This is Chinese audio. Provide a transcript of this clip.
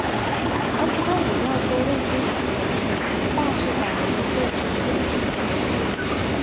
而其他语料多未经此流程，大致保留了作者的用词倾向。